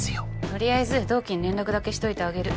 とりあえず同期に連絡だけしといてあげる。